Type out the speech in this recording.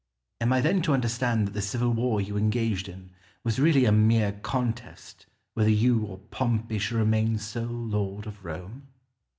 Scipio. Am I then to understand that the civil war you engaged in was really a mere contest whether you or Pompey should remain sole lord of Rome?